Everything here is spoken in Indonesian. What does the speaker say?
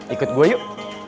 ikut gua yuk